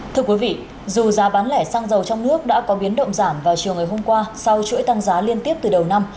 thưa quý vị dù giá bán lẻ xăng dầu trong nước đã có biến động giảm vào chiều ngày hôm qua sau chuỗi tăng giá liên tiếp từ đầu năm